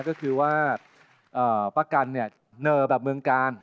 ก็คือว่าเอ่อประกันเนี้ยเนอร์แบบเมืองกาล